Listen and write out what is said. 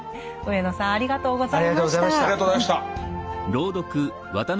上野さんありがとうございました。